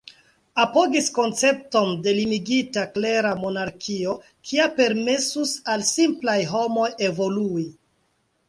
Apogis koncepton de limigita, klera monarkio, kia permesus al simplaj homoj evolui.